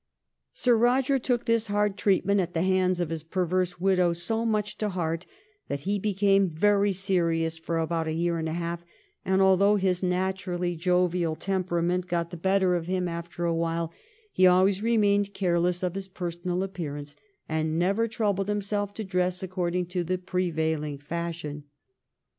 1711 'A GREAT LOVER OF MANKIND/ 185 Sir Eoger took his hard treatment at the hands of his perverse widow so much to heart that he became very serious for about a year and a half, and although his naturally jovial temper got the better of him after a while, he always remained careless of his personal appearance and never troubled himself to dress ac cording to the prevailing fashion.